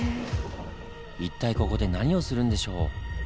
一体ここで何をするんでしょう？